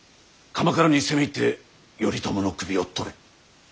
鎌倉に攻め入って頼朝の首を取れ。